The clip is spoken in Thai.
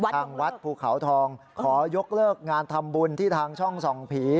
ทางวัดภูเขาทองขอยกเลิกงานทำบุญที่ทางช่องส่องผี